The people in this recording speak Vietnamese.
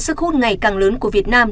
sức hút ngày càng lớn của việt nam